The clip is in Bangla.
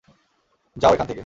যাও, এখান থেকে।